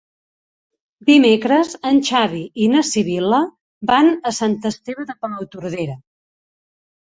Dimecres en Xavi i na Sibil·la van a Sant Esteve de Palautordera.